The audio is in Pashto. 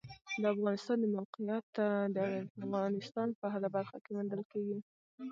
د افغانستان د موقعیت د افغانستان په هره برخه کې موندل کېږي.